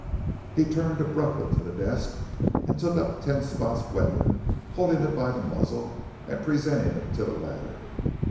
He turned abruptly to the desk and took up Ten Spot's weapon, holding it by the muzzle and presenting it to the latter.